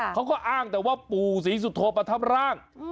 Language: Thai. เขาก็อ้างแต่ว่าปู่ศรีสุโธประทับร่าง